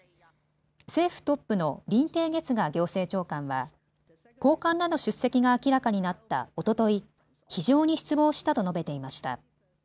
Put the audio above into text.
政府トップの林鄭月娥行政長官は高官らの出席が明らかになったおととい、非常に失望したと述べていました。